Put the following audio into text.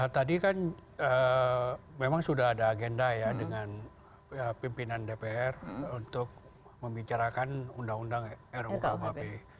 tadi kan memang sudah ada agenda ya dengan pimpinan dpr untuk membicarakan undang undang rukuhp